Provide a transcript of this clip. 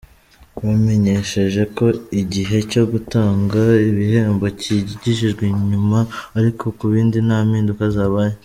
Bamenyesheje ko igihe cyo gutanga ibihembo cyigijwe inyuma ariko ku bindi nta mpinduka zabaye.